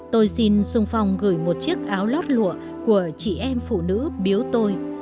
tôi xin sung phong gửi một chiếc áo lót lụa của chị em phụ nữ biếu tôi